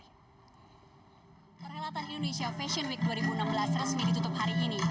perhelatan indonesia fashion week dua ribu enam belas resmi ditutup hari ini